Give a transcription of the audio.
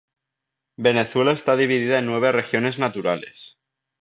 Venezuela está dividida en nueve regiones naturales.